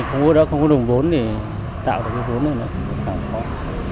không có đó không có đồng vốn thì tạo được cái vốn này nữa